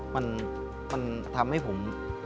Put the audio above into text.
มันทำให้ผม